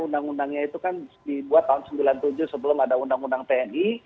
undang undangnya itu kan dibuat tahun seribu sembilan ratus sembilan puluh tujuh sebelum ada undang undang tni